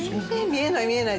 見えない見えない。